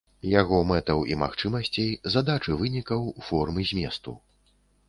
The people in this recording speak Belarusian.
Яго мэтаў і магчымасцей, задач і вынікаў, форм і зместу.